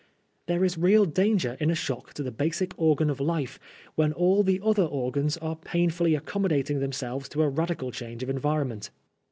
There is real danger in a shock to the basic organ of life when all the other organs are pain fully accommodating themselves to a radical change of environment.